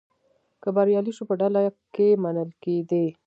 که بریالی شو په ډله کې منل کېدی.